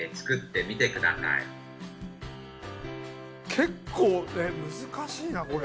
結構難しいなこれ。